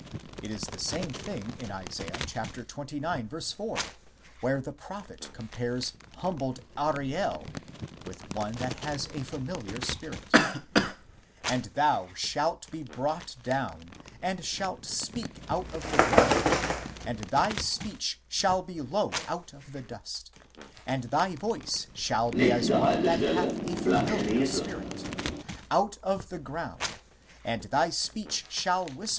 It is the same thing in Isa. xxix. 4, where the prophet compares humbled " Ariel " 1 with one that has a familiar spirit :" And thou shalt be brought down, and shalt speak out of the ground, and thy speech shall be low out of the dust ; and thy voice shall be as one that hath a familiar spirit, out of the ground, and thy speech shall whisper (marg.